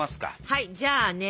はいじゃあね